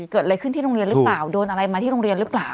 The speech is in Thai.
เกิดอะไรขึ้นที่โรงเรียนหรือเปล่าโดนอะไรมาที่โรงเรียนหรือเปล่า